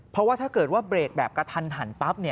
เพราะว่าถ้าเกิดว่าเบรกแบบกระทันหันปั๊บ